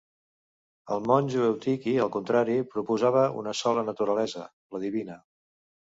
El monjo Eutiqui al contrari, proposava una sola naturalesa, la divina.